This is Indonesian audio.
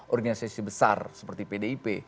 organisasi besar seperti pdip